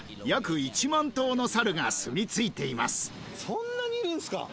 そんなにいるんすか！